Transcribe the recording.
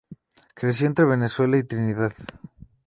Creció entre Venezuela y Trinidad.